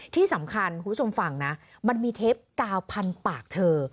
ที่สำคัญคุณผู้ชมฟังนะมันมีเทปกาวพันปากเธอ